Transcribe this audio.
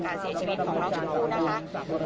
การเสียชีวิตของนอกจุดศูนย์